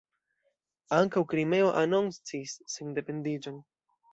Ankaŭ Krimeo anoncis sendependiĝon.